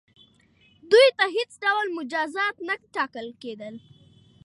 دوی ته هیڅ ډول مجازات نه ټاکل کیدل.